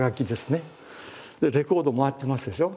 レコード回ってますでしょ。